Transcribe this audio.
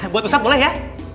buat ustadz boleh ya